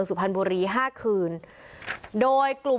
สวัสดีครับ